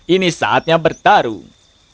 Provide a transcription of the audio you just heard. ini saatnya bertarung